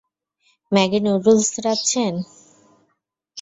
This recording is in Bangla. Maggi noodles রাঁধছেন?